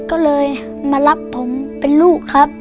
ก็เลยมารับผมเป็นลูกครับ